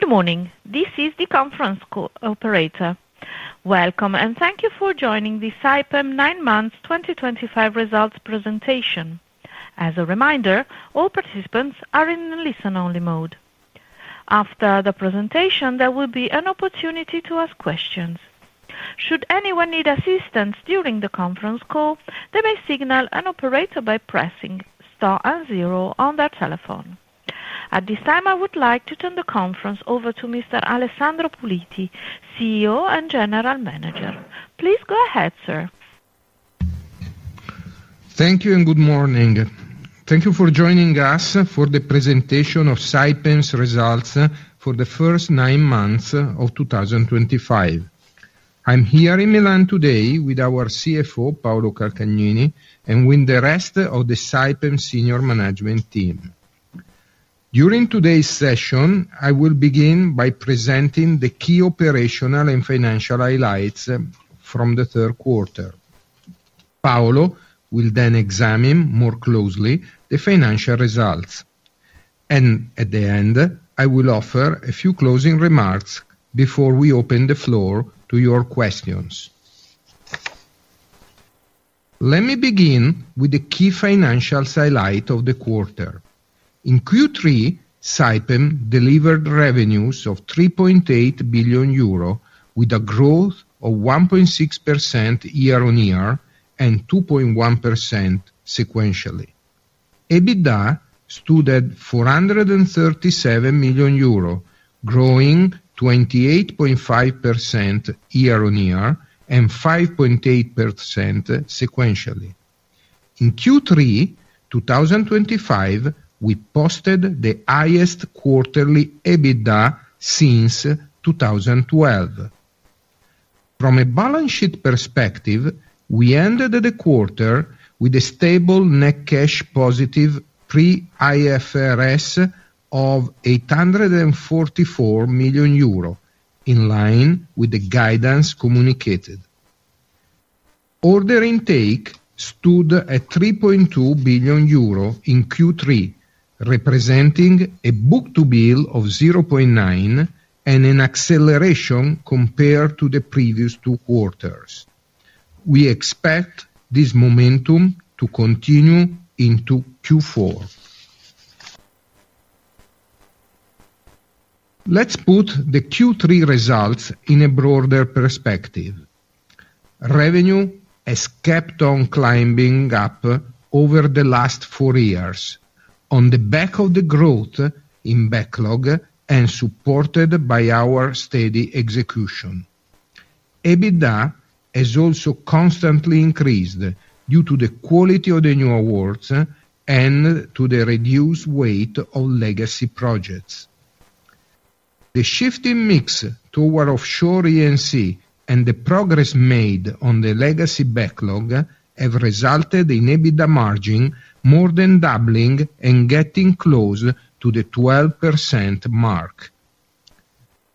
Good morning. This is the conference call operator. Welcome and thank you for joining the Saipem nine months 2025 results presentation. As a reminder, all participants are in listen-only mode. After the presentation, there will be an opportunity to ask questions. Should anyone need assistance during the conference call, they may signal an operator by pressing star and zero on their telephone. At this time, I would like to turn the conference over to Mr. Alessandro Puliti, CEO and General Manager. Please go ahead, sir. Thank you and good morning. Thank you for joining us for the presentation of Saipem's results for the first nine months of 2025. I'm here in Milan today with our CFO, Paolo Calcagnini, and with the rest of the Saipem Senior Management team. During today's session, I will begin by presenting the key operational and financial highlights from the third quarter. Paolo will then examine more closely the financial results. At the end, I will offer a few closing remarks before we open the floor to your questions. Let me begin with the key financial highlights of the quarter. In Q3, Saipem delivered revenues of 3.8 billion euro, with a growth of 1.6% year-on-year and 2.1% sequentially. EBITDA stood at 437 million euro, growing 28.5% year-on-year and 5.8% sequentially. In Q3 2025, we posted the highest quarterly EBITDA since 2012. From a balance sheet perspective, we ended the quarter with a stable net cash positive pre-IFRS of 844 million euro, in line with the guidance communicated. Order intake stood at 3.2 billion euro in Q3, representing a book-to-bill of 0.9 and an acceleration compared to the previous two quarters. We expect this momentum to continue into Q4. Let's put the Q3 results in a broader perspective. Revenue has kept on climbing up over the last four years, on the back of the growth in backlog and supported by our steady execution. EBITDA has also constantly increased due to the quality of the new awards and to the reduced weight of legacy projects. The shifting mix toward offshore E&C and the progress made on the legacy backlog have resulted in EBITDA margin more than doubling and getting close to the 12% mark.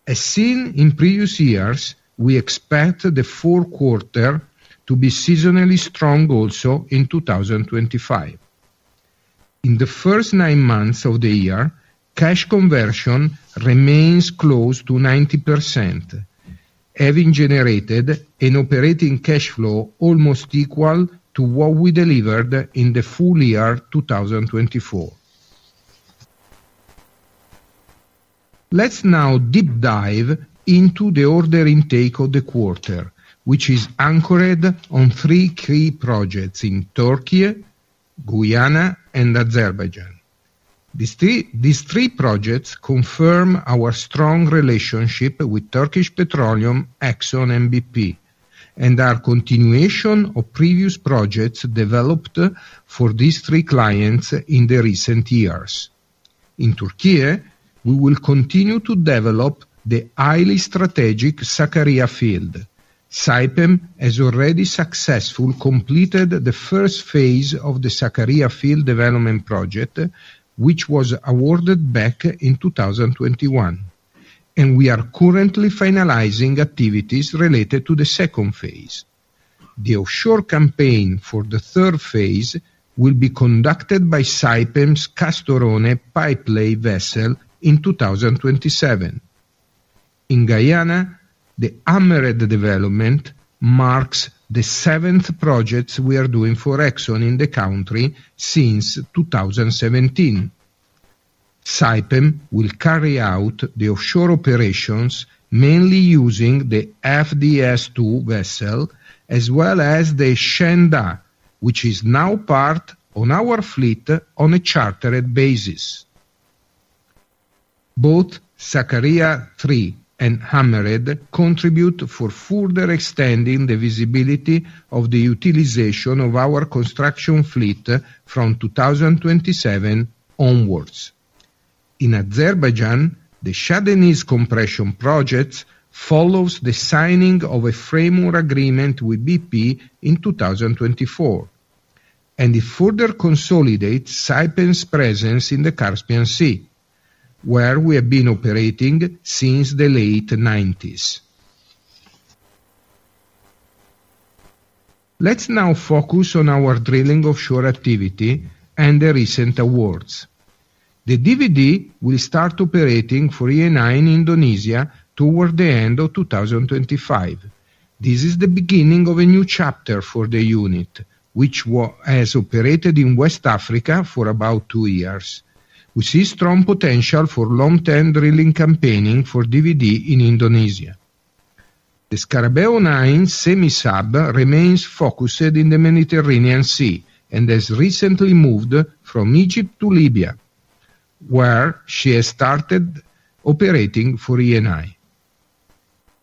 As seen in previous years, we expect the fourth quarter to be seasonally strong also in 2025. In the first nine months of the year, cash conversion remains close to 90%, having generated an operating cash flow almost equal to what we delivered in the full year 2024. Let's now deep dive into the order intake of the quarter, which is anchored on three key projects in Turkey, Guyana, and Azerbaijan. These three projects confirm our strong relationship with Turkish Petroleum, ExxonMobil, and our continuation of previous projects developed for these three clients in recent years. In Turkey, we will continue to develop the highly strategic Sakarya field. Saipem has already successfully completed the first phase of the Sakarya field development project, which was awarded back in 2021, and we are currently finalizing activities related to the second phase. The offshore campaign for the third phase will be conducted by Saipem's Castorone pipeline vessel in 2027. In Guyana, the Amered development marks the seventh project we are doing for Exxon in the country since 2017. Saipem will carry out the offshore operations mainly using the FDS2 vessel, as well as the Shenda, which is now part of our fleet on a chartered basis. Both Sakarya III and [Amered] contribute to further extending the visibility of the utilization of our construction fleet from 2027 onwards. In Azerbaijan, the Shah Deniz compression project follows the signing of a framework agreement with BP in 2024, and it further consolidates Saipem's presence in the Caspian Sea, where we have been operating since the late 1990s. Let's now focus on our offshore drilling activity and the recent awards. The DVD will start operating for Eni in Indonesia toward the end of 2025. This is the beginning of a new chapter for the unit, which has operated in West Africa for about two years. We see strong potential for long-term drilling campaigning for DVD in Indonesia. The Scarabeo 9 semi-sub remains focused in the Mediterranean Sea and has recently moved from Egypt to Libya, where she has started operating for Eni.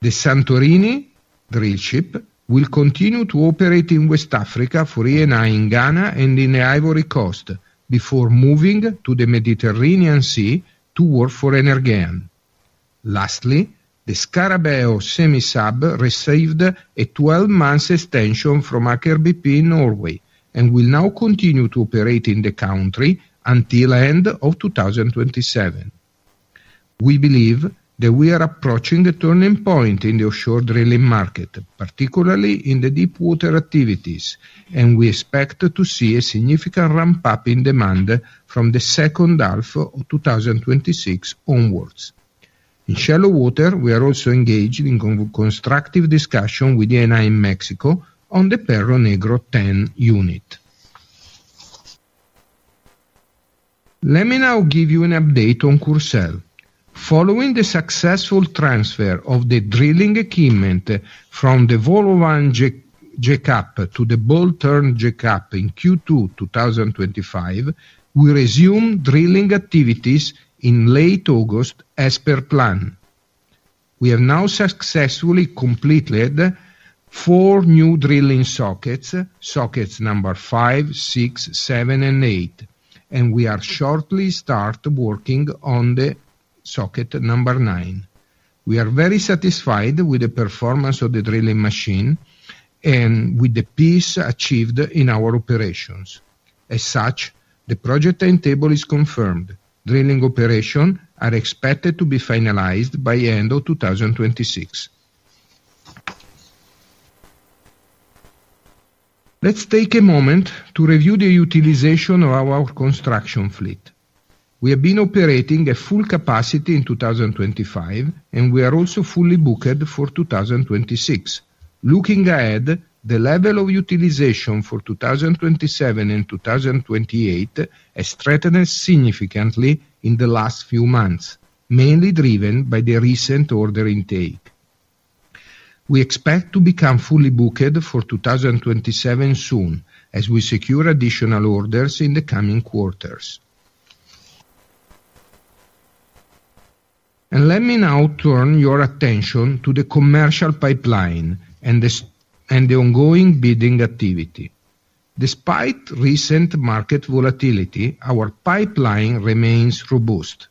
The Santorini drillship will continue to operate in West Africa for Eni in Ghana and in the Ivory Coast before moving to the Mediterranean Sea to work for Energean. Lastly, the Scarabeo semi-sub received a 12-month extension from Aker BP in Norway and will now continue to operate in the country until the end of 2027. We believe that we are approaching a turning point in the offshore drilling market, particularly in the deepwater activities, and we expect to see a significant ramp-up in demand from the second half of 2026 onwards. In shallow water, we are also engaged in a constructive discussion with Eni in Mexico on the Perro Negro 10 unit. Let me now give you an update on Coursel. Following the successful transfer of the drilling equipment from the Volovan JCAP to the Boltern JCAP in Q2 2025, we resumed drilling activities in late August as per plan. We have now successfully completed four new drilling sockets, sockets number five, six, seven, and eight, and we are shortly starting work on socket number nine. We are very satisfied with the performance of the drilling machine and with the pace achieved in our operations. As such, the project timetable is confirmed. Drilling operations are expected to be finalized by the end of 2026. Let's take a moment to review the utilization of our construction fleet. We have been operating at full capacity in 2025, and we are also fully booked for 2026. Looking ahead, the level of utilization for 2027 and 2028 has strengthened significantly in the last few months, mainly driven by the recent order intake. We expect to become fully booked for 2027 soon as we secure additional orders in the coming quarters. Let me now turn your attention to the commercial pipeline and the ongoing bidding activity. Despite recent market volatility, our pipeline remains robust.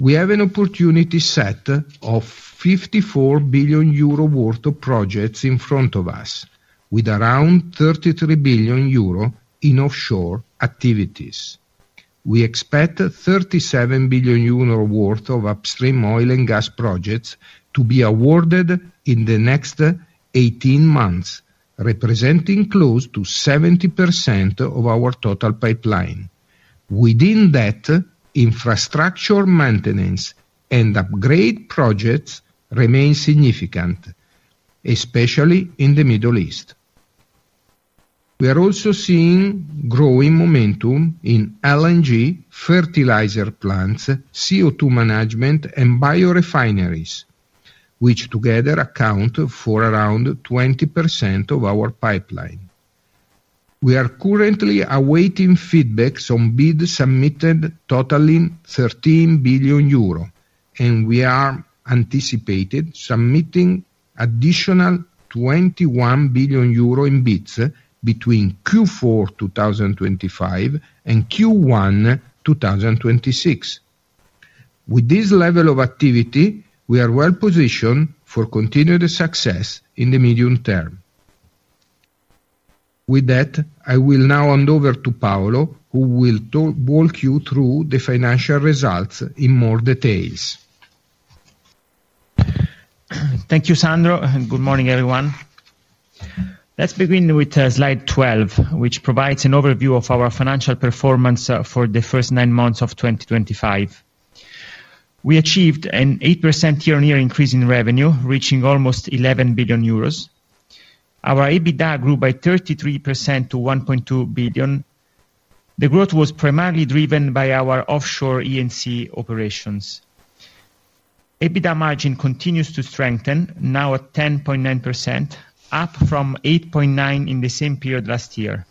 We have an opportunity set of 54 billion euro worth of projects in front of us, with around 33 billion euro in offshore activities. We expect 37 billion euro worth of upstream oil and gas projects to be awarded in the next 18 months, representing close to 70% of our total pipeline. Within that, infrastructure maintenance and upgrade projects remain significant, especially in the Middle East. We are also seeing growing momentum in LNG fertilizer plants, CO2 management, and biorefineries, which together account for around 20% of our pipeline. We are currently awaiting feedback on bids submitted totaling 13 billion euro, and we anticipate submitting an additional 21 billion euro in bids between Q4 2025 and Q1 2026. With this level of activity, we are well positioned for continued success in the medium-term. With that, I will now hand over to Paolo, who will walk you through the financial results in more details. Thank you, Sandro. Good morning, everyone. Let's begin with slide 12, which provides an overview of our financial performance for the first nine months of 2025. We achieved an 8% year-on-year increase in revenue, reaching almost 11 billion euros. Our EBITDA grew by 33% to 1.2 billion. The growth was primarily driven by our offshore E&C operations. EBITDA margin continues to strengthen, now at 10.9%, up from 8.9% in the same period last year.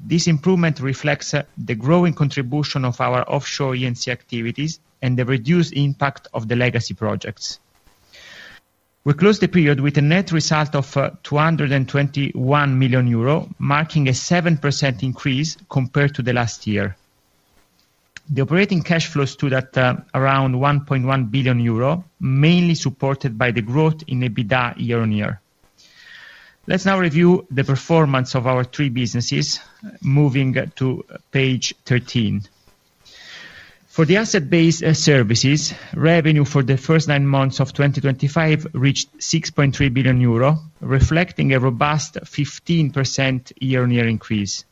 This improvement reflects the growing contribution of our offshore E&C activities and the reduced impact of the legacy projects. We closed the period with a net result of 221 million euro, marking a 7% increase compared to last year. The operating cash flow stood at around 1.1 billion euro, mainly supported by the growth in EBITDA year-on-year. Let's now review the performance of our three businesses, moving to page 13. For the asset-based services, revenue for the first nine months of 2025 reached 6.3 billion euro, reflecting a robust 15% year-on-year increase.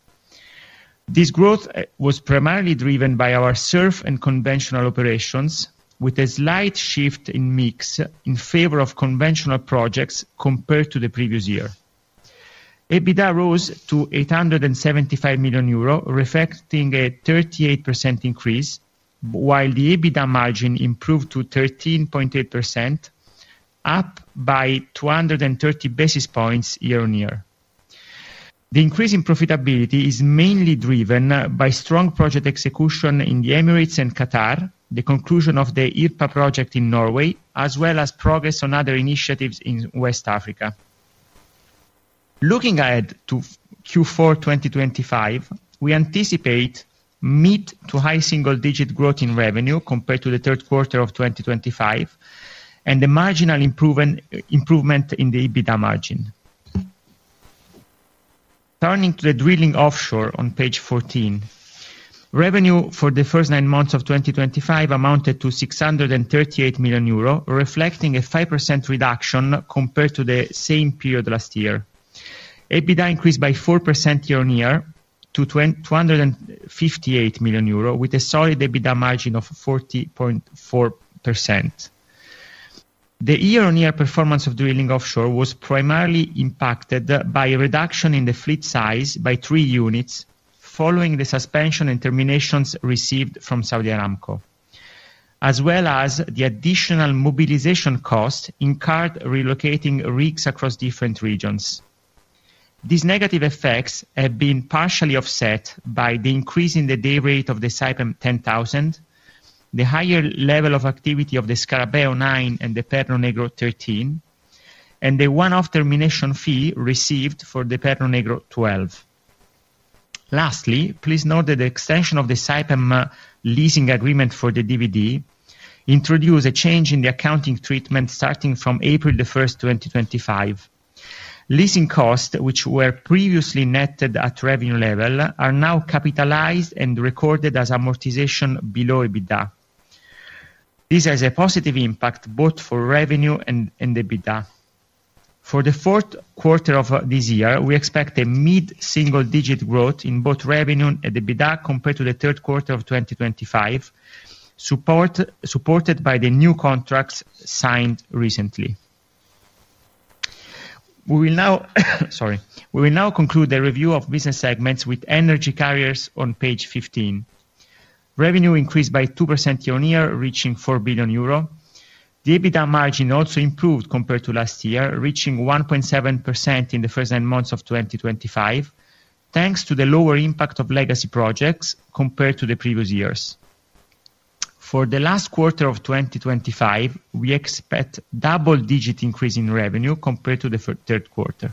This growth was primarily driven by our SURF and conventional operations, with a slight shift in mix in favor of conventional projects compared to the previous year. EBITDA rose to 875 million euro, reflecting a 38% increase, while the EBITDA margin improved to 13.8%, up by 230 basis points year-on-year. The increase in profitability is mainly driven by strong project execution in the Emirates and Qatar, the conclusion of the IRPA project in Norway, as well as progress on other initiatives in West Africa. Looking ahead to Q4 2025, we anticipate mid-to-high single-digit growth in revenue compared to the third quarter of 2025, and a marginal improvement in the EBITDA margin. Turning to the drilling offshore on page 14, revenue for the first nine months of 2025 amounted to 638 million euro, reflecting a 5% reduction compared to the same period last year. EBITDA increased by 4% year-on-year to 258 million euro, with a solid EBITDA margin of 40.4%. The year-on-year performance of drilling offshore was primarily impacted by a reduction in the fleet size by three units following the suspension and terminations received from Saudi Aramco, as well as the additional mobilization costs incurred relocating rigs across different regions. These negative effects have been partially offset by the increase in the day rate of the Saipem 10,000, the higher level of activity of the Scarabeo 9 and the Perro Negro 13, and the one-off termination fee received for the Perro Negro 12. Lastly, please note that the extension of the Saipem leasing agreement for the DVD introduced a change in the accounting treatment starting from April 1st, 2025. Leasing costs, which were previously netted at revenue level, are now capitalized and recorded as amortization below EBITDA. This has a positive impact both for revenue and EBITDA. For the fourth quarter of this year, we expect a mid-single-digit growth in both revenue and EBITDA compared to the third quarter of 2025, supported by the new contracts signed recently. We will now conclude the review of business segments with energy carriers on page 15. Revenue increased by 2% year-on-year, reaching 4 billion euro. The EBITDA margin also improved compared to last year, reaching 1.7% in the first nine months of 2025, thanks to the lower impact of legacy projects compared to the previous years. For the last quarter of 2025, we expect a double-digit increase in revenue compared to the third quarter.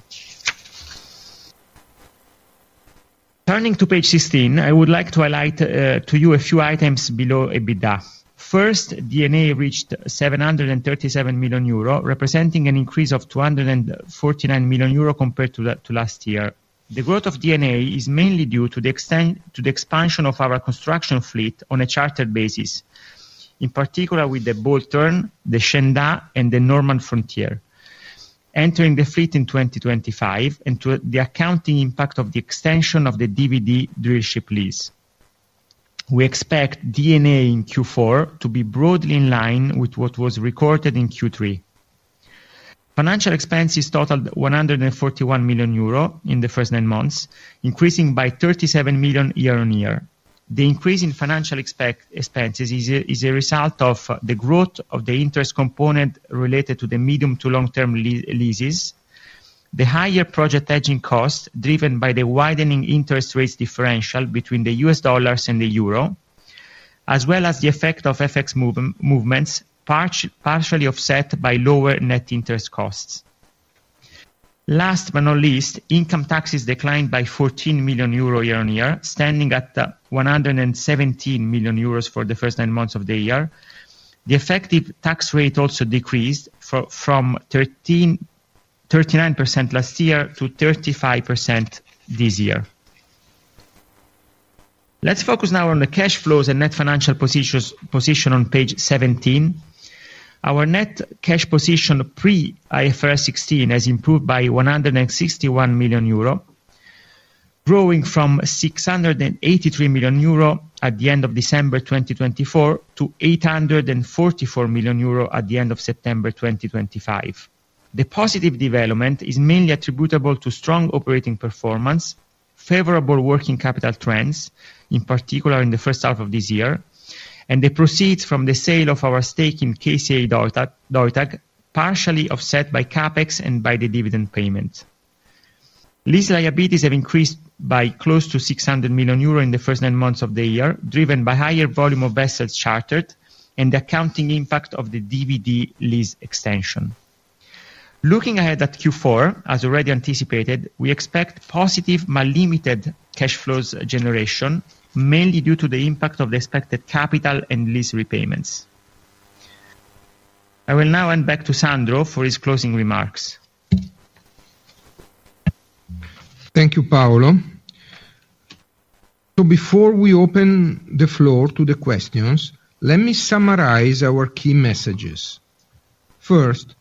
Turning to page 16, I would like to highlight to you a few items below EBITDA. First, D&A reached 737 million euro, representing an increase of 249 million euro compared to last year. The growth of D&A is mainly due to the expansion of our construction fleet on a chartered basis, in particular with the Boltern, the Shenda, and the Norman Frontier, entering the fleet in 2025 and the accounting impact of the extension of the DVD drill ship lease. We expect D&A in Q4 to be broadly in line with what was recorded in Q3. Financial expenses totaled 141 million euro in the first nine months, increasing by 37 million year-on-year. The increase in financial expenses is a result of the growth of the interest component related to the medium to long-term leases, the higher project hedging costs driven by the widening interest rates differential between the U.S. dollars and the euro, as well as the effect of FX movements partially offset by lower net interest costs. Last but not least, income taxes declined by 14 million euro year-on-year, standing at 117 million euros for the first nine months of the year. The effective tax rate also decreased from 39% last year-35% this year. Let's focus now on the cash flows and net financial position on page 17. Our net cash position pre-IFRS 16 has improved by 161 million euro, growing from 683 million euro at the end of December 2024 to 844 million euro at the end of September 2025. The positive development is mainly attributable to strong operating performance, favorable working capital trends, in particular in the first half of this year, and the proceeds from the sale of our stake in KCA Deutag, partially offset by CapEx and by the dividend payment. Lease liabilities have increased by close to 600 million euro in the first nine months of the year, driven by higher volume of vessel charters and the accounting impact of the DVD lease extension. Looking ahead at Q4, as already anticipated, we expect positive but limited cash flows generation, mainly due to the impact of the expected capital and lease repayments. I will now hand back to Sandro for his closing remarks. Thank you, Paolo. Before we open the floor to the questions, let me summarize our key messages. First,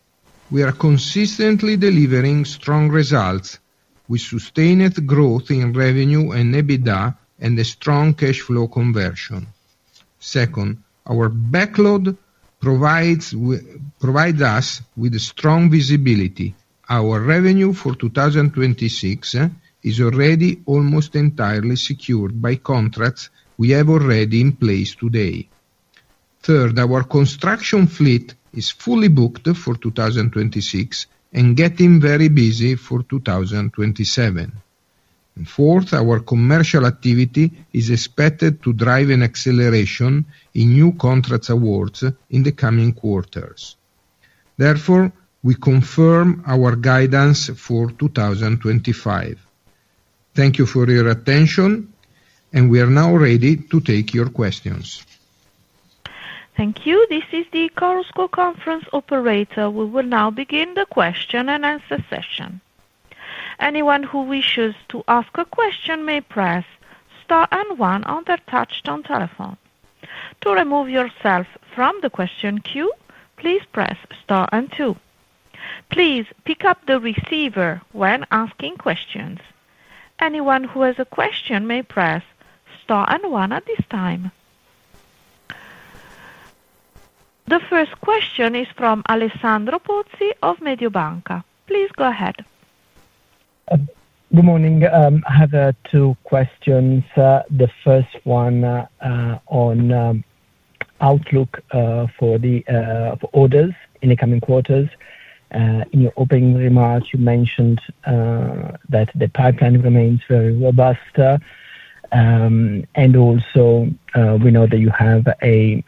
we are consistently delivering strong results with sustained growth in revenue and EBITDA and a strong cash flow conversion. Second, our backlog provides us with a strong visibility. Our revenue for 2026 is already almost entirely secured by contracts we have already in place today. Third, our construction fleet is fully booked for 2026 and getting very busy for 2027. Fourth, our commercial activity is expected to drive an acceleration in new contracts awards in the coming quarters. Therefore, we confirm our guidance for 2025. Thank you for your attention, and we are now ready to take your questions. Thank you. This is the Chorus Call conference operator. We will now begin the question-and-answer session. Anyone who wishes to ask a question may press star and one on their touchtone telephone. To remove yourself from the question queue, please press star and two. Please pick up the receiver when asking questions. Anyone who has a question may press star and one at this time. The first question is from Alessandro Pozzi of Mediobanca. Please go ahead. Good morning. I have two questions. The first one is on outlook for the orders in the coming quarters. In your opening remarks, you mentioned that the pipeline remains very robust, and also we know that you have a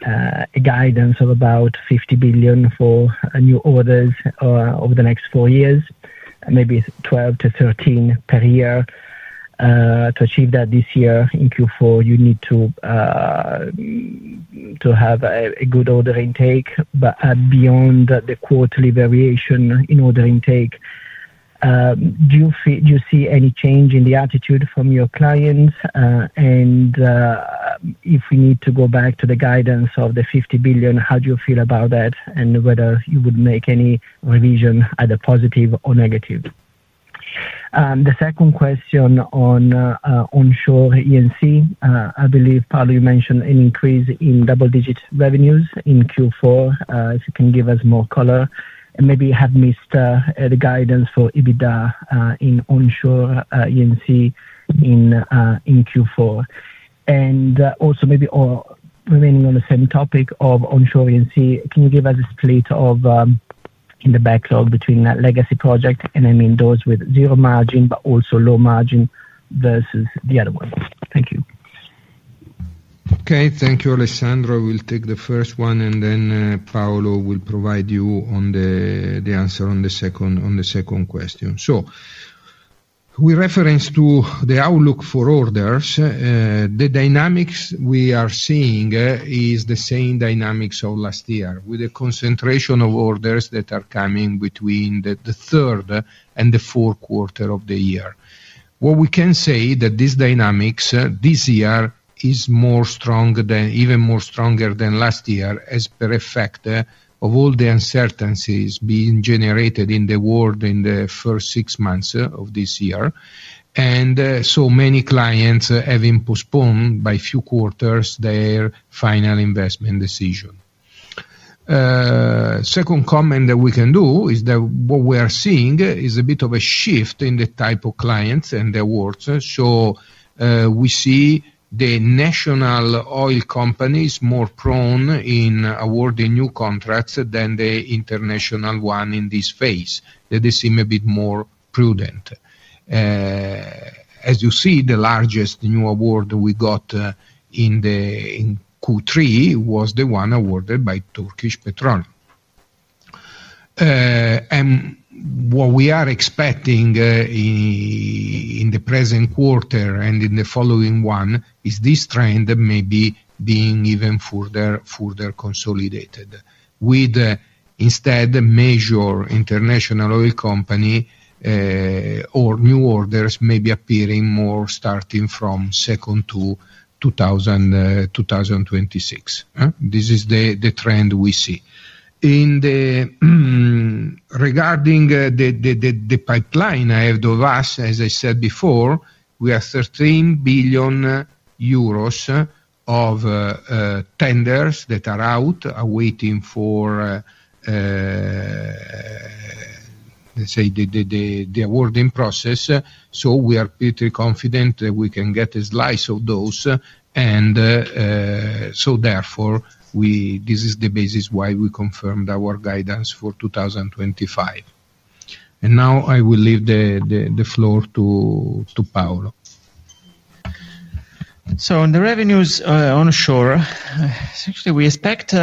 guidance of about 50 billion for new orders over the next four years, maybe 12 billion-13 billion per year. To achieve that this year in Q4, you need to have a good order intake, but beyond the quarterly variation in order intake, do you see any change in the attitude from your clients? If we need to go back to the guidance of the 50 billion, how do you feel about that and whether you would make any revision either positive or negative? The second question on onshore E&C, I believe Paolo, you mentioned an increase in double-digit revenues in Q4, so you can give us more color. Maybe you have missed the guidance for EBITDA in onshore E&C in Q4. Also, maybe remaining on the same topic of onshore E&C, can you give us a split in the backlog between legacy projects, and I mean those with zero margin but also low margin versus the other ones? Thank you. Okay. Thank you, Alessandro. We'll take the first one, and then Paolo will provide you the answer on the second question. With reference to the outlook for orders, the dynamics we are seeing are the same dynamics of last year, with a concentration of orders that are coming between the third and the fourth quarter of the year. What we can say is that this dynamics this year is more strong, even more stronger than last year as per effect of all the uncertainties being generated in the world in the first six months of this year. Many clients have postponed by a few quarters their final investment decision. Second comment that we can do is that what we are seeing is a bit of a shift in the type of clients and the awards. We see the national oil companies more prone in awarding new contracts than the international ones in this phase. They seem a bit more prudent. As you see, the largest new award we got in Q3 was the one awarded by Turkish Petroleum. What we are expecting in the present quarter and in the following one is this trend maybe being even further consolidated, with instead major international oil companies or new orders maybe appearing more starting from second to 2026. This is the trend we see. Regarding the pipeline, as I said before, we have 13 billion euros of tenders that are out awaiting for, let's say, the awarding process. We are pretty confident that we can get a slice of those. Therefore, this is the basis why we confirmed our guidance for 2025. Now I will leave the floor to Paolo. On the revenues onshore, essentially, we expect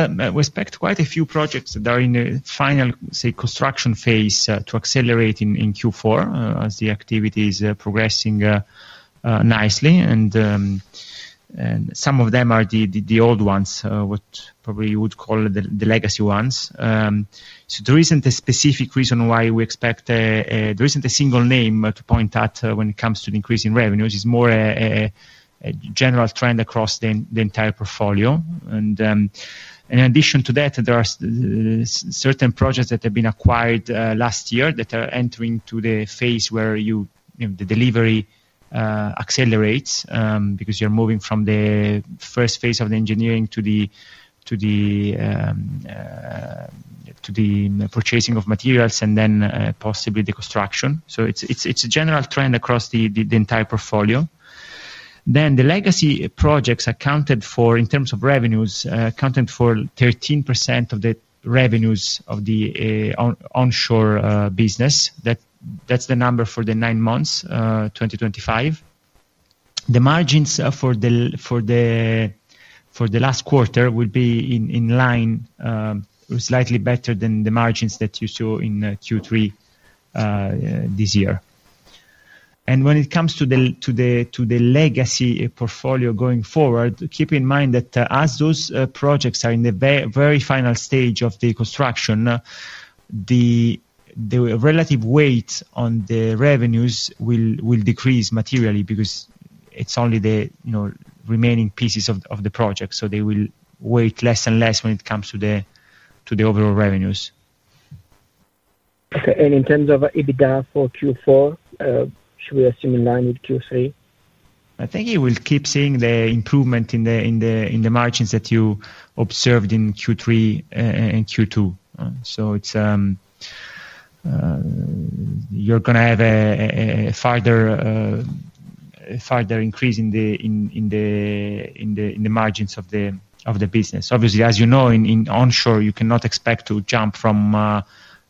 quite a few projects that are in the final, say, construction phase to accelerate in Q4 as the activity is progressing nicely. Some of them are the old ones, what probably you would call the legacy ones. There isn't a specific reason why we expect, there isn't a single name to point out when it comes to the increase in revenues. It's more a general trend across the entire portfolio. In addition to that, there are certain projects that have been acquired last year that are entering the phase where the delivery accelerates because you're moving from the first phase of the engineering to the purchasing of materials and then possibly the construction. It's a general trend across the entire portfolio. The legacy projects accounted for, in terms of revenues, 13% of the revenues of the onshore business. That's the number for the nine months 2025. The margins for the last quarter would be in line with, slightly better than, the margins that you saw in Q3 this year. When it comes to the legacy portfolio going forward, keep in mind that as those projects are in the very final stage of the construction, the relative weight on the revenues will decrease materially because it's only the remaining pieces of the project. They will weigh less and less when it comes to the overall revenues. Okay. In terms of EBITDA for Q4, should we assume in line with Q3? I think you will keep seeing the improvement in the margins that you observed in Q3 and Q2. You're going to have a further increase in the margins of the business. Obviously, as you know, in onshore, you cannot expect to jump from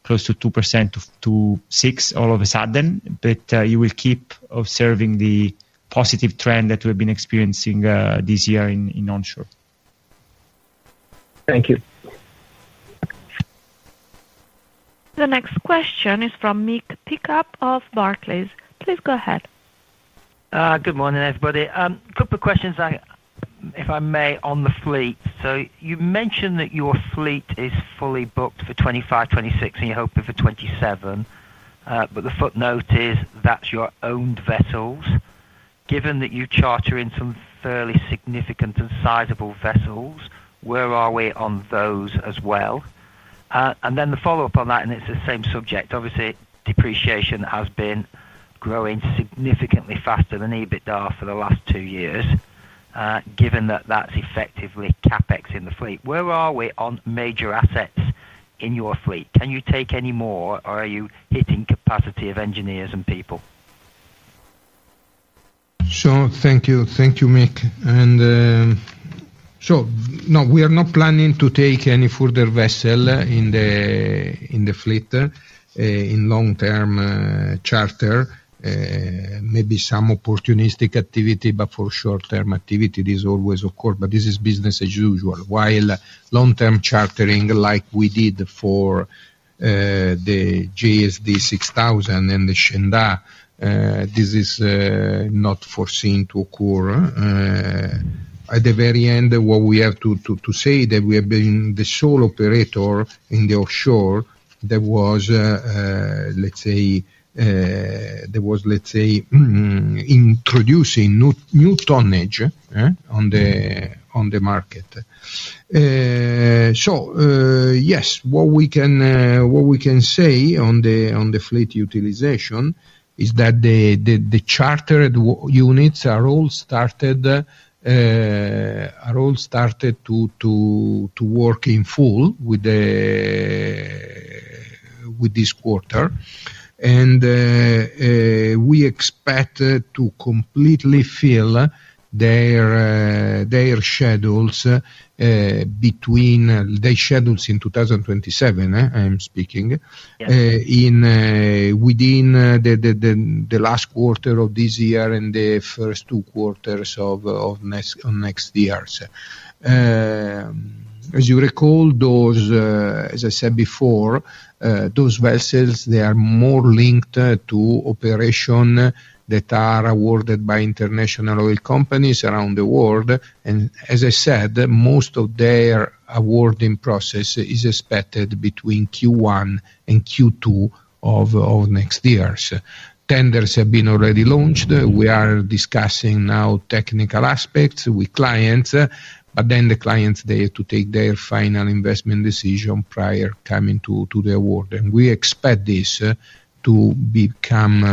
close to 2% to 6% all of a sudden, but you will keep observing the positive trend that we've been experiencing this year in onshore. Thank you. The next question is from Mick Pickup of Barclays. Please go ahead. Good morning, everybody. A couple of questions, if I may, on the fleet. You mentioned that your fleet is fully booked for 2025-2026, and you're hoping for 2027. The footnote is that's your owned vessels. Given that you charter in some fairly significant and sizable vessels, where are we on those as well? The follow-up on that, and it's the same subject. Obviously, depreciation has been growing significantly faster than EBITDA for the last two years. Given that that's effectively CapEx in the fleet, where are we on major assets in your fleet? Can you take any more, or are you hitting capacity of engineers and people? Sure. Thank you. Thank you, Mick. No, we are not planning to take any further vessel in the fleet in long-term charter. Maybe some opportunistic activity, but for short-term activity, this always occurs. This is business as usual. While long-term chartering, like we did for the JSD 6000 and the Shenda, this is not foreseen to occur. At the very end, what we have to say is that we have been the sole operator in the offshore that was, let's say, introducing new tonnage on the market. Yes, what we can say on the fleet utilization is that the chartered units are all started to work in full with this quarter. We expect to completely fill their schedules in 2027, I'm speaking, within the last quarter of this year and the first two quarters of next year's. As you recall, as I said before, those vessels, they are more linked to operations that are awarded by international oil companies around the world. As I said, most of their awarding process is expected between Q1 and Q2 of next year's. Tenders have been already launched. We are discussing now technical aspects with clients, but then the clients, they have to take their final investment decision prior to coming to the award. We expect this to become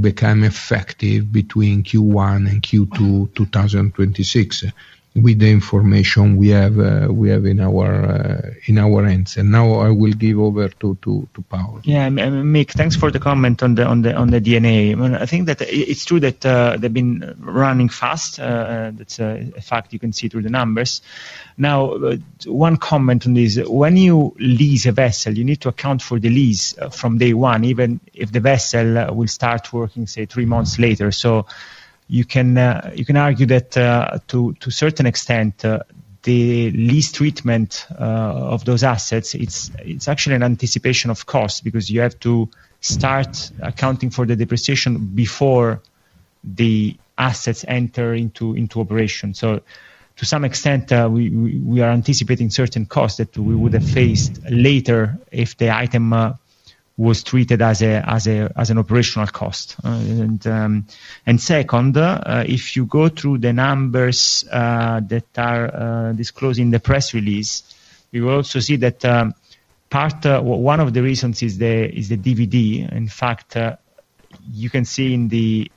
effective between Q1 and Q2 2026 with the information we have in our hands. Now I will give over to Paolo. Yeah. Mick, thanks for the comment on the D&A. I think that it's true that they've been running fast. That's a fact you can see through the numbers. Now, one comment on this. When you lease a vessel, you need to account for the lease from day one, even if the vessel will start working, say, three months later. You can argue that to a certain extent, the lease treatment of those assets is actually an anticipation of cost because you have to start accounting for the depreciation before the assets enter into operation. To some extent, we are anticipating certain costs that we would have faced later if the item was treated as an operational cost. If you go through the numbers that are disclosed in the press release, you will also see that part, one of the reasons is the DVD. In fact, you can see in the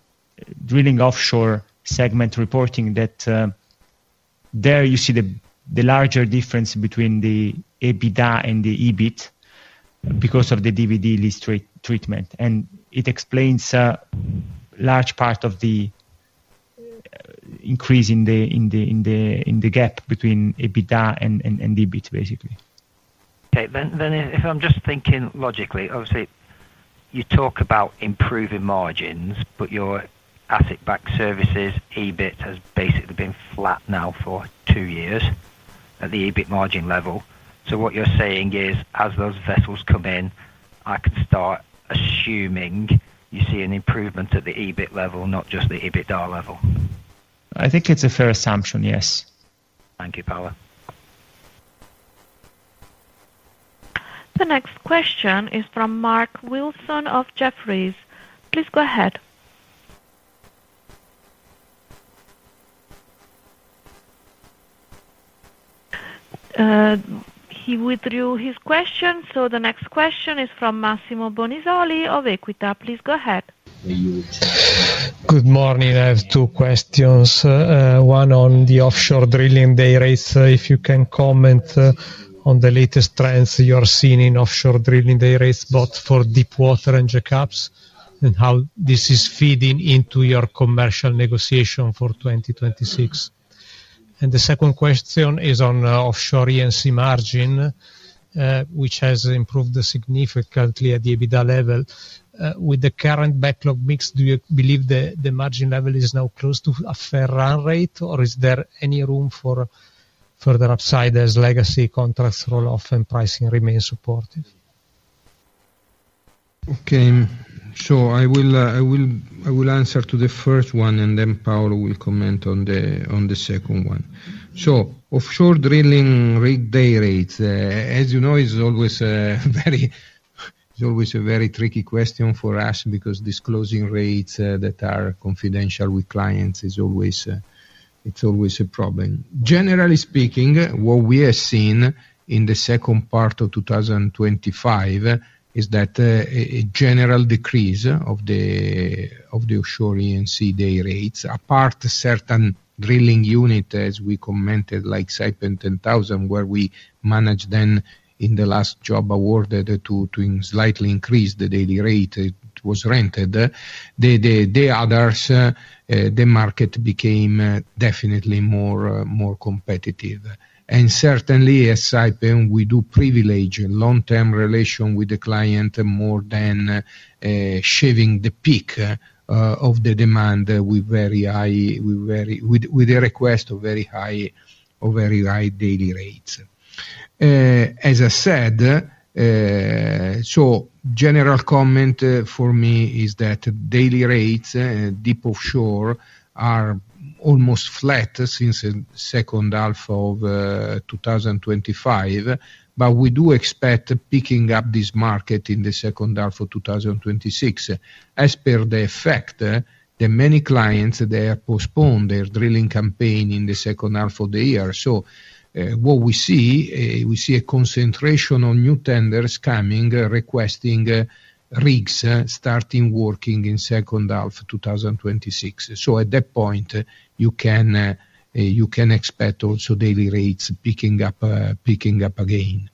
drilling offshore segment reporting that there you see the larger difference between the EBITDA and the EBIT because of the DVD lease treatment. It explains a large part of the increase in the gap between EBITDA and EBIT, basically. Okay. If I'm just thinking logically, obviously, you talk about improving margins, but your asset-backed services, EBIT, has basically been flat now for two years at the EBIT margin level. What you're saying is, as those vessels come in, I can start assuming you see an improvement at the EBIT level, not just the EBITDA level. I think it's a fair assumption, yes. Thank you, Paolo. The next question is from Mark Wilson of Jefferies. Please go ahead. He withdrew his question. The next question is from Massimo Bonisoli of Equita. Please go ahead. Good morning. I have two questions. One on the offshore drilling day rates. If you can comment on the latest trends you are seeing in offshore drilling day rates, both for deep water and JCAPS, and how this is feeding into your commercial negotiation for 2026. The second question is on offshore E&C margin, which has improved significantly at the EBITDA level. With the current backlog mix, do you believe the margin level is now close to a fair run rate, or is there any room for further upside as legacy contracts roll off and pricing remains supportive? Okay. I will answer to the first one, and then Paolo will comment on the second one. Offshore drilling rig day rates, as you know, is always a very tricky question for us because disclosing rates that are confidential with clients is always a problem. Generally speaking, what we have seen in the second part of 2025 is a general decrease of the offshore E&C day rates, apart from certain drilling units, as we commented, like Saipem 10,000, where we managed then in the last job awarded to slightly increase the daily rate it was rented. The others, the market became definitely more competitive. Certainly, at Saipem, we do privilege long-term relations with the client more than shaving the peak of the demand with the request of very high daily rates. As I said, general comment for me is that daily rates deep offshore are almost flat since the second half of 2025, but we do expect picking up this market in the second half of 2026. As per the fact, many clients postpone their drilling campaign in the second half of the year. What we see, we see a concentration on new tenders coming requesting rigs starting working in the second half of 2026. At that point, you can expect also daily rates picking up again.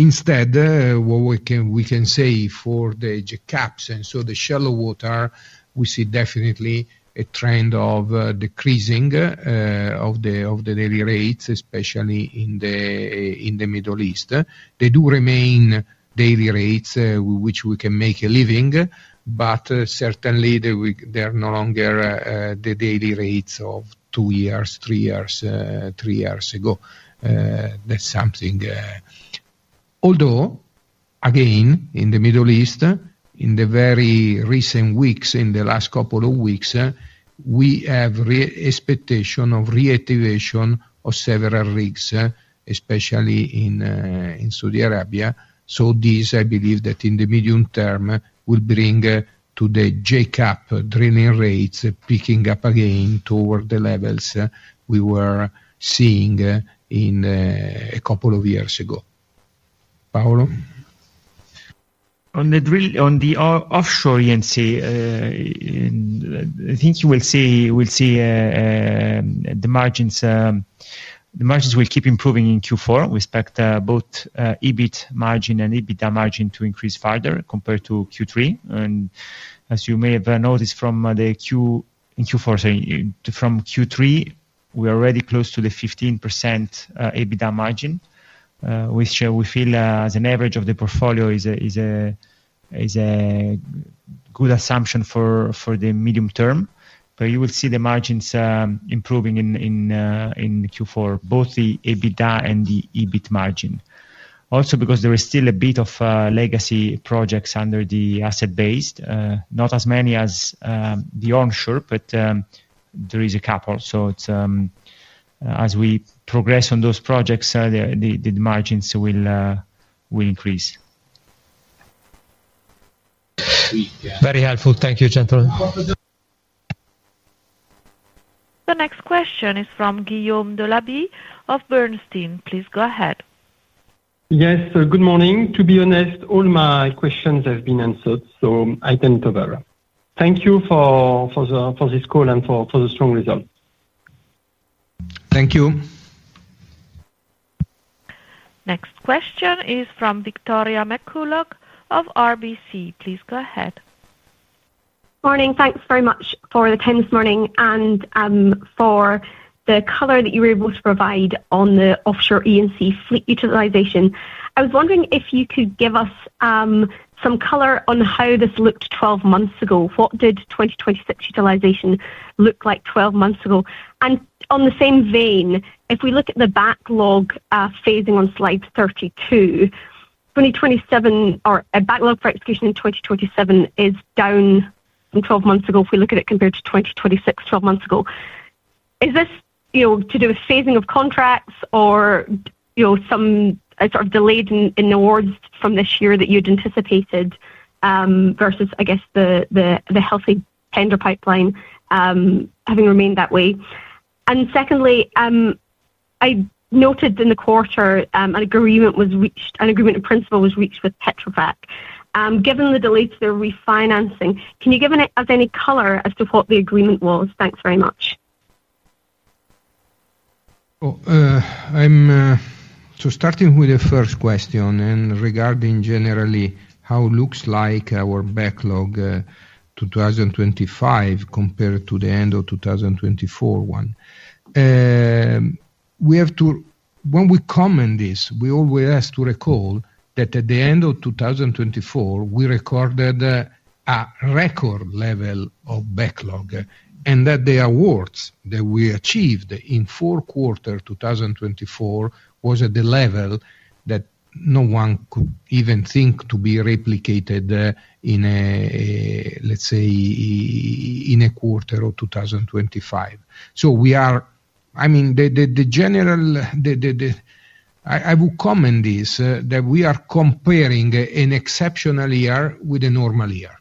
Instead, what we can say for the JCAPS and so the shallow water, we see definitely a trend of decreasing of the daily rates, especially in the Middle East. They do remain daily rates with which we can make a living, but certainly, they're no longer the daily rates of two years, three years ago. Although, again, in the Middle East, in the very recent weeks, in the last couple of weeks, we have the expectation of reactivation of several rigs, especially in Saudi Arabia. I believe that in the medium term this will bring to the JCAP drilling rates picking up again toward the levels we were seeing a couple of years ago. Paolo? On the offshore E&C, I think you will see the margins will keep improving in Q4. We expect both EBIT margin and EBITDA margin to increase further compared to Q3. As you may have noticed from Q3, we are already close to the 15% EBITDA margin, which we feel as an average of the portfolio is a good assumption for the medium-term. You will see the margins improving in Q4, both the EBITDA and the EBIT margin. Also, because there is still a bit of legacy projects under the asset-based, not as many as the onshore, but there is a couple. As we progress on those projects, the margins will increase. Very helpful. Thank you, gentlemen. The next question is from Guillaume Delaby of Bernstein. Please go ahead. Yes. Good morning. To be honest, all my questions have been answered, so I can't over. Thank you for this call and for the strong result. Thank you. Next question is from Victoria McCulloch of RBC. Please go ahead. Morning. Thanks very much for the time this morning and for the color that you were able to provide on the offshore E&C fleet utilization. I was wondering if you could give us some color on how this looked 12 months ago. What did 2026 utilization look like 12 months ago? In the same vein, if we look at the backlog phasing on slide 32, 2027, or a backlog for execution in 2027, is down from 12 months ago if we look at it compared to 2026, 12 months ago. Is this to do with phasing of contracts or some sort of delay in awards from this year that you'd anticipated, versus, I guess, the healthy tender pipeline having remained that way? Secondly, I noted in the quarter, an agreement was reached, an agreement in principle was reached with Petrofac. Given the delays to their refinancing, can you give us any color as to what the agreement was? Thanks very much. Starting with the first question and regarding generally how it looks like our backlog to 2025 compared to the end of 2024, we have to, when we comment this, we always ask to recall that at the end of 2024, we recorded a record level of backlog and that the awards that we achieved in four quarters of 2024 were at the level that no one could even think to be replicated in, let's say, in a quarter of 2025. We are, I mean, the general, I will comment this, that we are comparing an exceptional year with a normal year,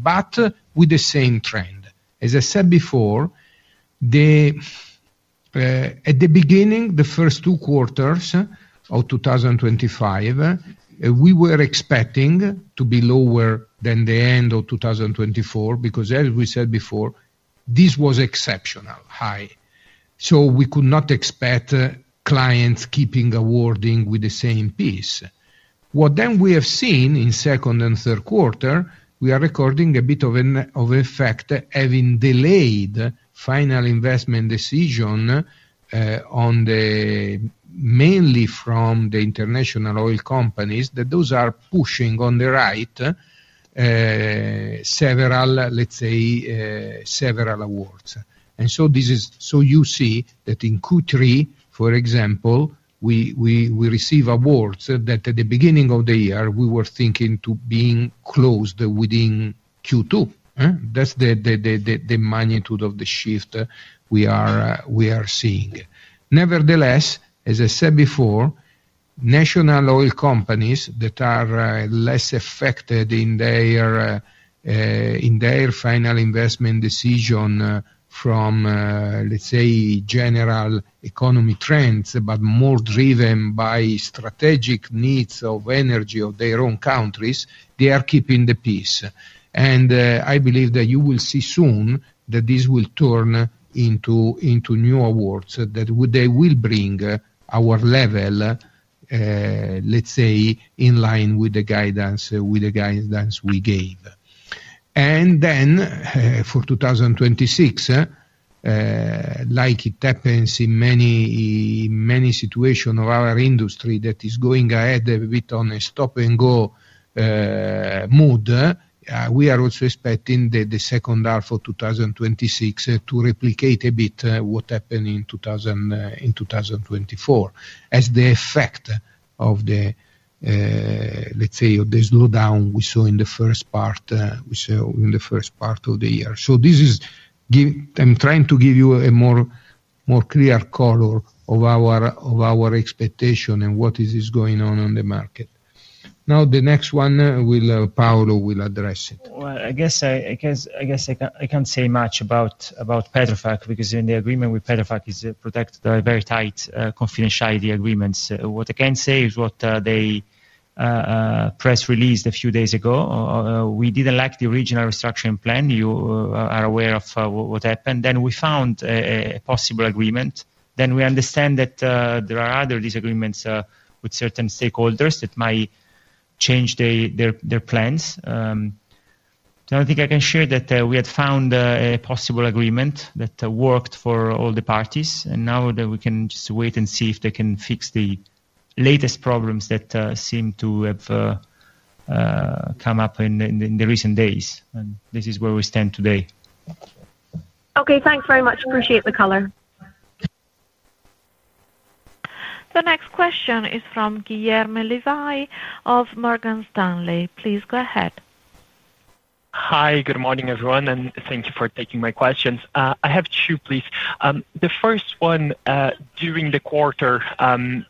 but with the same trend. As I said before, at the beginning, the first two quarters of 2025, we were expecting to be lower than the end of 2024 because, as we said before, this was exceptionally high. We could not expect clients keeping awarding with the same pace. What we have seen in second and third quarter, we are recording a bit of an effect having delayed final investment decisions mainly from the international oil companies that are pushing on the right, let's say, several awards. You see that in Q3, for example, we receive awards that at the beginning of the year, we were thinking to be closed within Q2. That's the magnitude of the shift we are seeing. Nevertheless, as I said before, national oil companies that are less affected in their final investment decision from, let's say, general economy trends, but more driven by strategic needs of energy of their own countries, they are keeping the pace. I believe that you will see soon that this will turn into new awards that will bring our level, let's say, in line with the guidance we gave. For 2026, like it happens in many situations of our industry that is going ahead a bit on a stop-and-go mode, we are also expecting the second half of 2026 to replicate a bit what happened in 2024 as the effect of the, let's say, of the slowdown we saw in the first part of the year. I am trying to give you a more clear color of our expectation and what is going on in the market. Now, the next one, Paolo will address it. I can't say much about Petrofac because in the agreement with Petrofac, there are very tight confidentiality agreements. What I can say is what they press released a few days ago. We didn't like the original restructuring plan. You are aware of what happened. We found a possible agreement. We understand that there are other disagreements with certain stakeholders that might change their plans. The only thing I can share is that we had found a possible agreement that worked for all the parties. Now we can just wait and see if they can fix the latest problems that seem to have come up in recent days. This is where we stand today. Okay, thanks very much. Appreciate the color. The next question is from Guilherme Levy of Morgan Stanley. Please go ahead. Hi. Good morning, everyone, and thank you for taking my questions. I have two, please. The first one, during the quarter,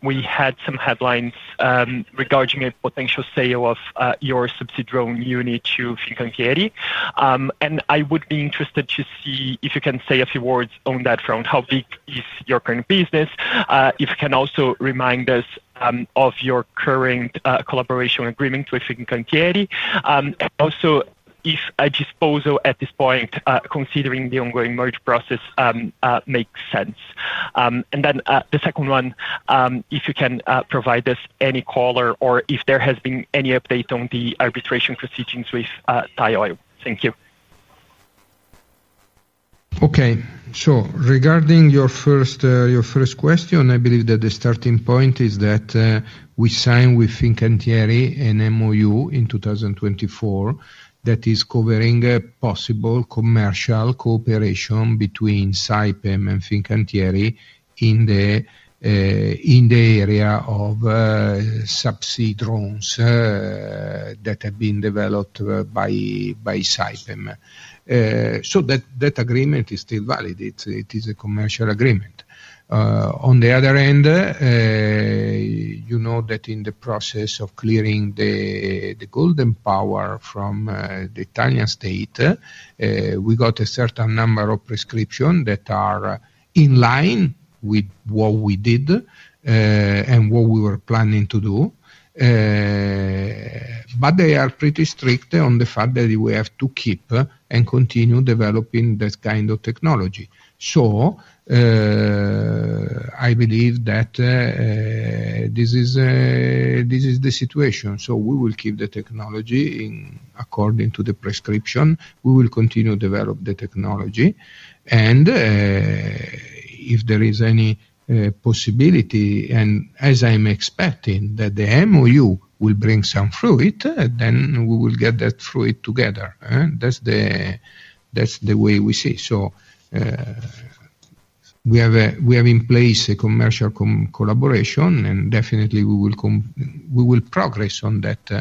we had some headlines regarding a potential sale of your subsidiary unit to Fincantieri. I would be interested to see if you can say a few words on that front. How big is your current business? If you can also remind us of your current collaboration agreement with Fincantieri. Also, if a disposal at this point, considering the ongoing merge process, makes sense. The second one, if you can provide us any color or if there has been any update on the arbitration proceedings with Thai Oil. Thank you. Okay. Sure. Regarding your first question, I believe that the starting point is that we signed with Fincantieri an MOU in 2024 that is covering a possible commercial cooperation between Saipem and Fincantieri in the area of subsea drones that have been developed by Saipem. That agreement is still valid. It is a commercial agreement. On the other end, you know that in the process of clearing the golden power from the Italian state, we got a certain number of prescriptions that are in line with what we did and what we were planning to do. They are pretty strict on the fact that we have to keep and continue developing this kind of technology. I believe that this is the situation. We will keep the technology according to the prescription. We will continue to develop the technology. If there is any possibility, and as I'm expecting that the MOU will bring some fruit, we will get that fruit together. That's the way we see. We have in place a commercial collaboration, and definitely, we will progress on that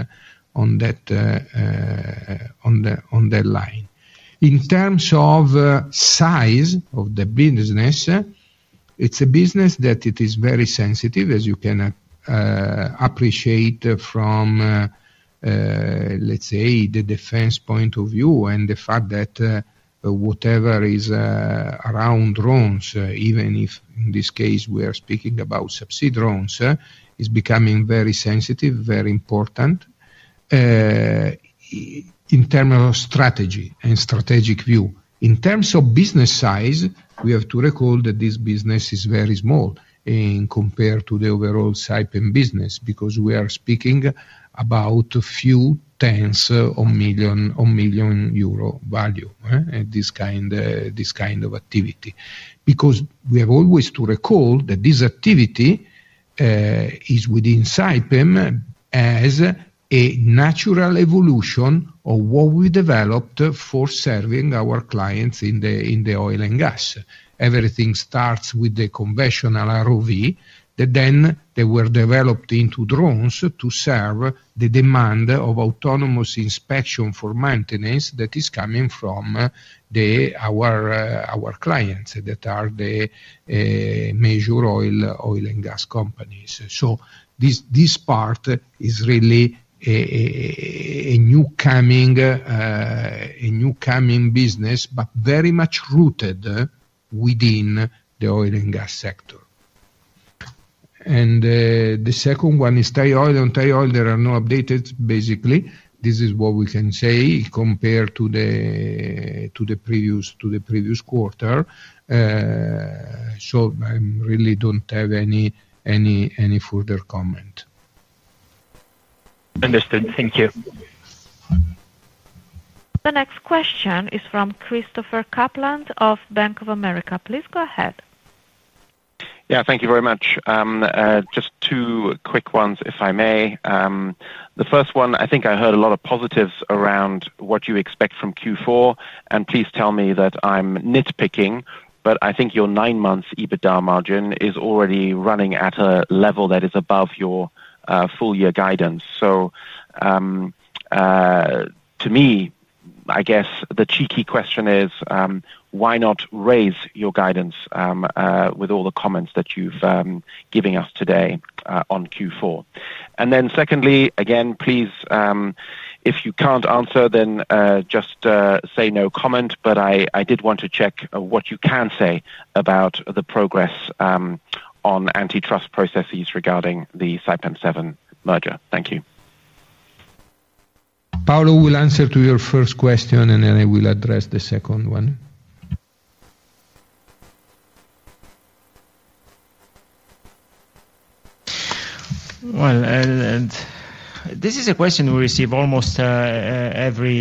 line. In terms of the size of the business, it's a business that is very sensitive, as you can appreciate from, let's say, the defense point of view and the fact that whatever is around drones, even if in this case we are speaking about subsea drones, is becoming very sensitive, very important in terms of strategy and strategic view. In terms of business size, we have to recall that this business is very small compared to the overall Saipem business because we are speaking about a few tens of millions of euro value in this kind of activity. We have always to recall that this activity is within Saipem as a natural evolution of what we developed for serving our clients in the Oil and Gas. Everything starts with the conventional ROV that then were developed into drones to serve the demand of autonomous inspection for maintenance that is coming from our clients that are the major oil and gas companies. This part is really a newcoming business, but very much rooted within the Oil and Gas sector. The second one is Thai Oil. On Thai Oil, there are no updates, basically. This is what we can say compared to the previous quarter. I really don't have any further comment. Understood. Thank you. The next question is from Christopher Kuplent of Bank of America. Please go ahead. Thank you very much. Just two quick ones, if I may. The first one, I think I heard a lot of positives around what you expect from Q4. Please tell me that I'm nitpicking, but I think your nine-month EBITDA margin is already running at a level that is above your full-year guidance. To me, I guess the cheeky question is, why not raise your guidance with all the comments that you've given us today on Q4? Secondly, again, please, if you can't answer, then just say no comment. I did want to check what you can say about the progress on antitrust processes regarding the Subsea 7 merger. Thank you. Paolo will answer to your first question, and then I will address the second one. This is a question we receive almost every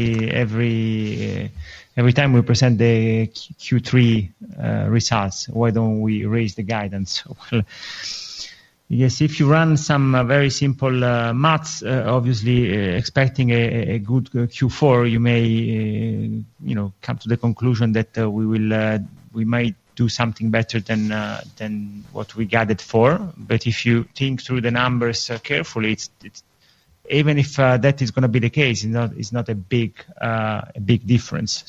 time we present the Q3 results. Why don't we raise the guidance? Yes, if you run some very simple maths, obviously, expecting a good Q4, you may come to the conclusion that we might do something better than what we got it for. If you think through the numbers carefully, even if that is going to be the case, it's not a big difference.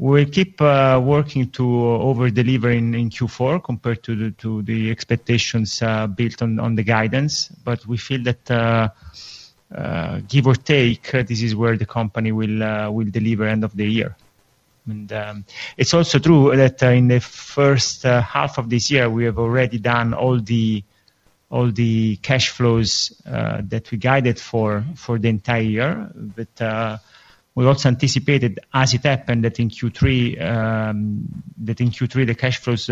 We keep working to overdeliver in Q4 compared to the expectations built on the guidance. We feel that, give or take, this is where the company will deliver end of the year. It's also true that in the first half of this year, we have already done all the cash flows that we guided for the entire year. We also anticipated, as it happened, that in Q3, the cash flows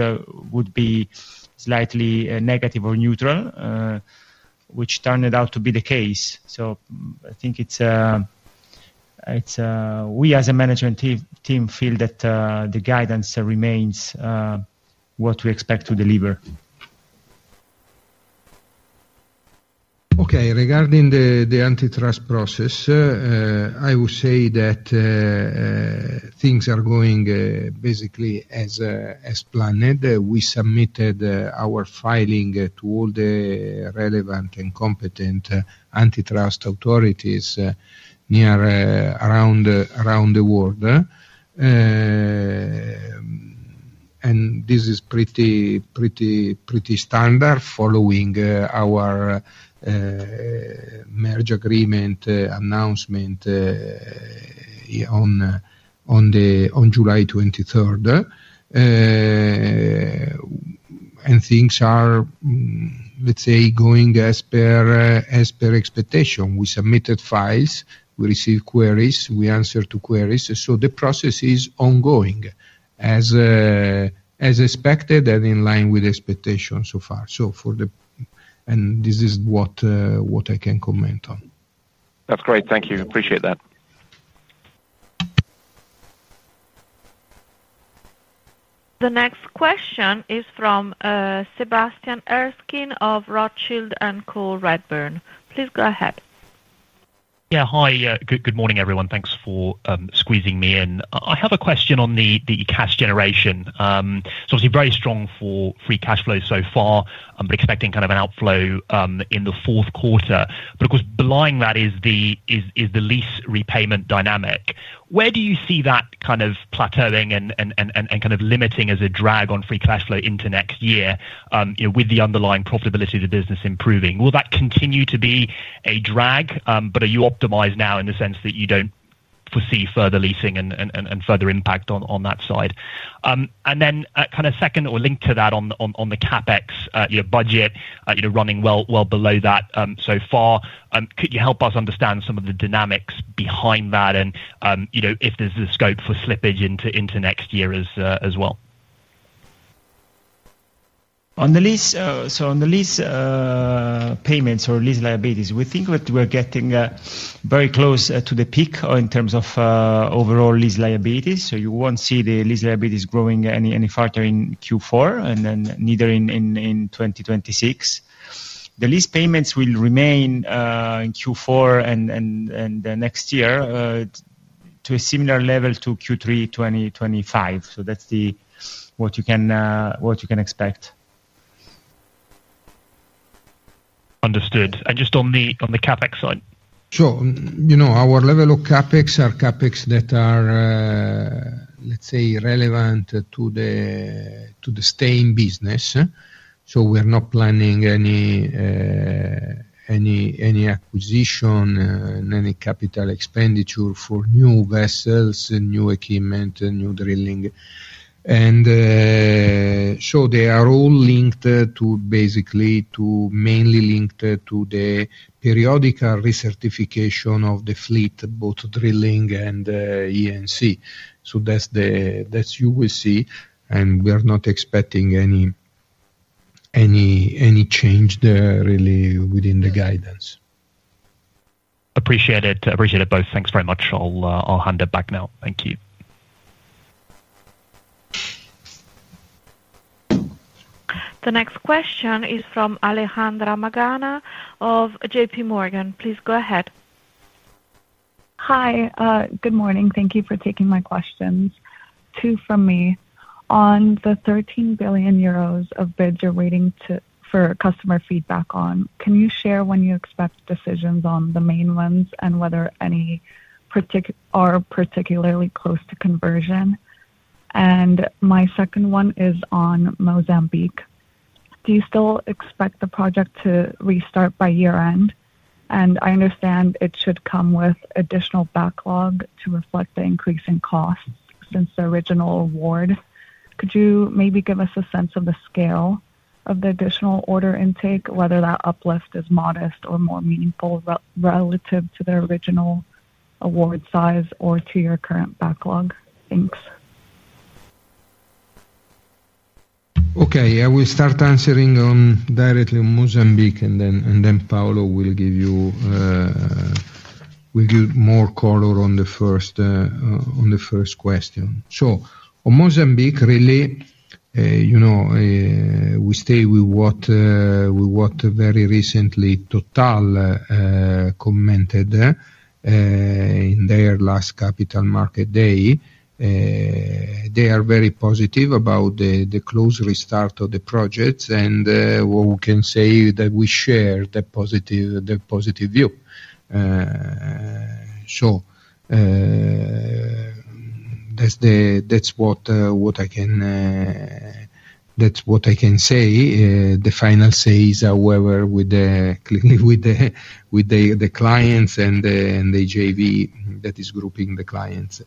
would be slightly negative or neutral, which turned out to be the case. I think we, as a management team, feel that the guidance remains what we expect to deliver. Okay. Regarding the antitrust process, I would say that things are going basically as planned. We submitted our filing to all the relevant and competent antitrust authorities around the world. This is pretty standard following our merge agreement announcement on July 23rd. Things are going as per expectation. We submitted files, we received queries, we answered to queries. The process is ongoing as expected and in line with expectations so far. This is what I can comment on. That's great. Thank you. Appreciate that. The next question is from Sebastian Erskine of Rothschild & Co Redburn Atlantic. Please go ahead. Yeah. Hi. Good morning, everyone. Thanks for squeezing me in. I have a question on the cash generation. Obviously, very strong for free cash flow so far, but expecting kind of an outflow in the fourth quarter. Of course, below that is the lease repayment dynamic. Where do you see that kind of plateauing and kind of limiting as a drag on free cash flow into next year with the underlying profitability of the business improving? Will that continue to be a drag, but are you optimized now in the sense that you don't foresee further leasing and further impact on that side? Second or linked to that on the CapEx budget, running well below that so far. Could you help us understand some of the dynamics behind that and if there's a scope for slippage into next year as well? On the lease payments or lease liabilities, we think that we're getting very close to the peak in terms of overall lease liabilities. You won't see the lease liabilities growing any farther in Q4 and then neither in 2026. The lease payments will remain in Q4 and the next year to a similar level to Q3 2025. That's what you can expect. Understood. Just on the CapEx side. Sure. You know our level of CapEx are CapEx that are, let's say, relevant to the staying business. We're not planning any acquisition and any capital expenditure for new vessels, new equipment, new drilling, so they are all mainly linked to the periodical recertification of the fleet, both drilling and E&C. That's what you will see. We're not expecting any change there really within the guidance. Appreciate it. Appreciate it both. Thanks very much. I'll hand it back now. Thank you. The next question is from Alejandra Magana of JPMorgan. Please go ahead. Hi. Good morning. Thank you for taking my questions. Two from me. On the 13 billion euros of bids you're waiting for customer feedback on, can you share when you expect decisions on the main ones, and whether any are particularly close to conversion? My second one is on Mozambique. Do you still expect the project to restart by year-end? I understand it should come with additional backlog to reflect the increase in costs since the original award. Could you maybe give us a sense of the scale of the additional order intake, whether that uplift is modest or more meaningful relative to the original award size or to your current backlog? Thanks. Okay. I will start answering directly on Mozambique, and then Paolo will give you more color on the first question. On Mozambique, really, we stay with what very recently Total commented in their last Capital Market Day. They are very positive about the close restart of the projects. What we can say is that we share the positive view. That's what I can say. The final say is, however, with the clients and the JV that is grouping the clients.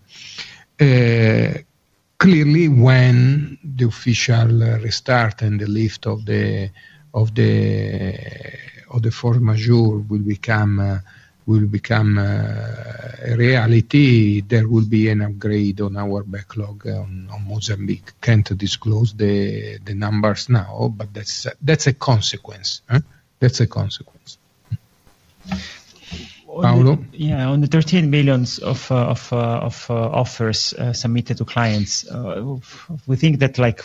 Clearly, when the official restart and the lift of the force majeure will become a reality, there will be an upgrade on our backlog on Mozambique. Can't disclose the numbers now, but that's a consequence. That's a consequence. Paolo? Yeah. On the 13 billion of offers submitted to clients, we think that, like,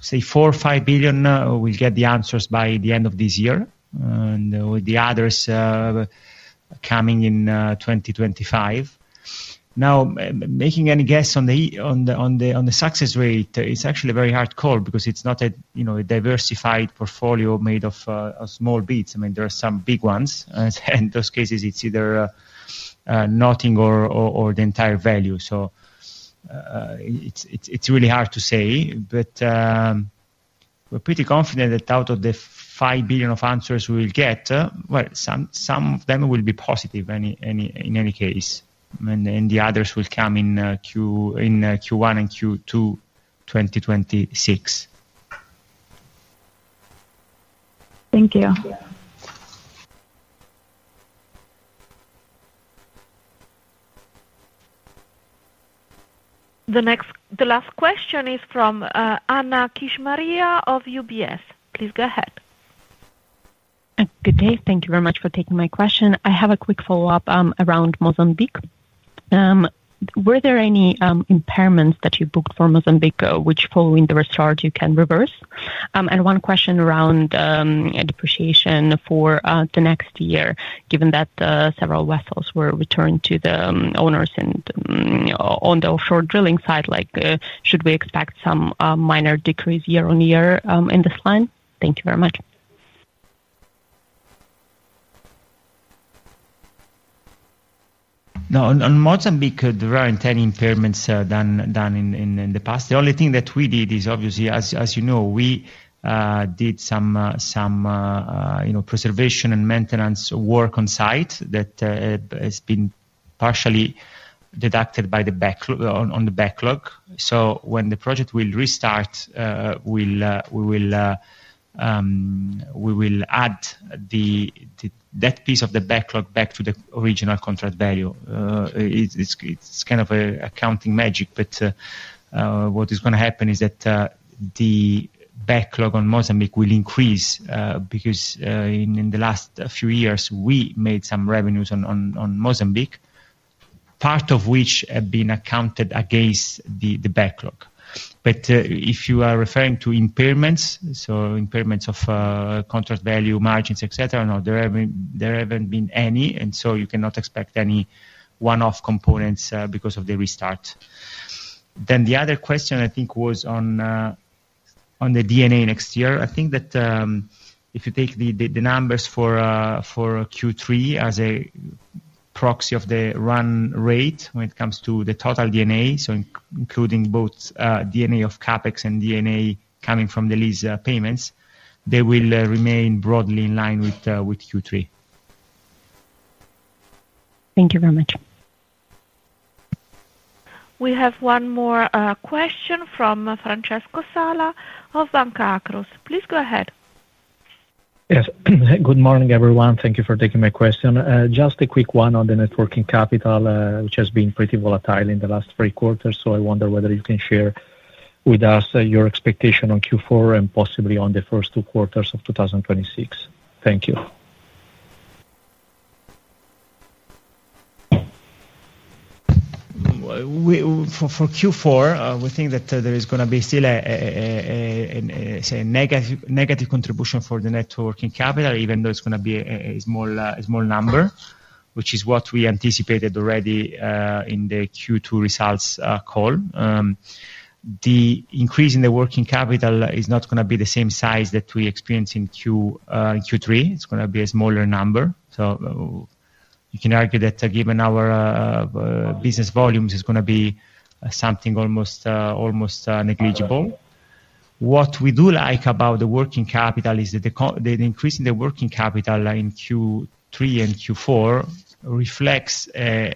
say, 4 billion or 5 billion, we'll get the answers by the end of this year, with the others coming in 2025. Now, making any guess on the success rate, it's actually a very hard call because it's not a diversified portfolio made of small bids. I mean, there are some big ones. In those cases, it's either nothing or the entire value. It's really hard to say. We're pretty confident that out of the 5 billion of answers we will get, some of them will be positive in any case. The others will come in Q1 and Q2 2026. Thank you. The last question is from Anna Kishmariya of UBS. Please go ahead. Good day. Thank you very much for taking my question. I have a quick follow-up around Mozambique. Were there any impairments that you booked for Mozambique which, following the restart, you can reverse? One question around depreciation for the next year, given that several vessels were returned to the owners and on the offshore drilling side, should we expect some minor decrease year-on-year in this line? Thank you very much. No. On Mozambique, there weren't any impairments done in the past. The only thing that we did is, obviously, as you know, we did some preservation and maintenance work on site that has been partially deducted on the backlog. When the project will restart, we will add that piece of the backlog back to the original contract value. It's kind of accounting magic. What is going to happen is that the backlog on Mozambique will increase because in the last few years, we made some revenues on Mozambique, part of which had been accounted against the backlog. If you are referring to impairments, so impairments of contract value, margins, etc., no, there haven't been any. You cannot expect any one-off components because of the restart. The other question, I think, was on the D&A next year. I think that if you take the numbers for Q3 as a proxy of the run rate when it comes to the total D&A, so including both D&A of CapEx and D&A coming from the lease payments, they will remain broadly in line with Q3. Thank you very much. We have one more question from Francesco Sala of Banca Akros. Please go ahead. Yes. Good morning, everyone. Thank you for taking my question. Just a quick one on the net working capital, which has been pretty volatile in the last three quarters. I wonder whether you can share with us your expectation on Q4 and possibly on the first two quarters of 2026. Thank you. For Q4, we think that there is going to be still a negative contribution for the working capital, even though it's going to be a small number, which is what we anticipated already in the Q2 results call. The increase in the working capital is not going to be the same size that we experienced in Q3. It's going to be a smaller number. You can argue that given our business volumes, it's going to be something almost negligible. What we do like about the working capital is that the increase in the working capital in Q3 and Q4 reflects a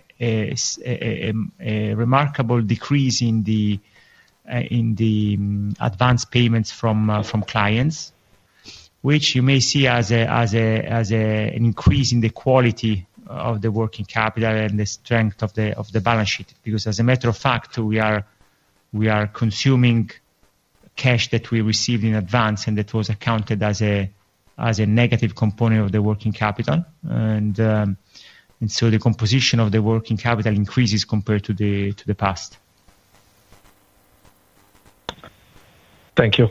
remarkable decrease in the advanced payments from clients, which you may see as an increase in the quality of the working capital and the strength of the balance sheet. Because as a matter of fact, we are consuming cash that we received in advance, and that was accounted as a negative component of the working capital. The composition of the working capital increases compared to the past. Thank you.